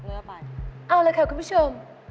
เอาละค่ะคุณผู้ชม